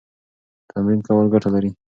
تمرین کول ګټه لري.